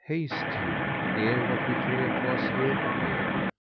haste ye! ere what we fear to us here appear."